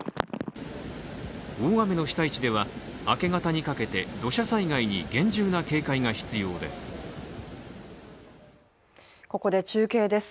大雨の被災地では、明け方にかけて土砂災害に厳重な警戒が必要です。